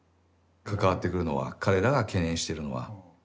関わってくるのは彼らが懸念してるのは。